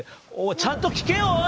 ちゃんと聞けよおい！